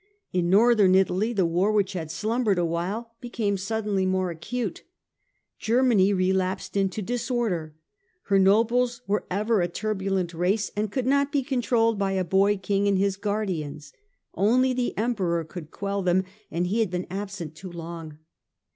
In Northern Italy the war, which had slumbered awhile, became suddenly more acute. Germany relapsed into disorder. Her nobles were ever a turbulent race and could not be controlled by a boy king and his guardians : only the Emperor could quell them, and he had been absent too long.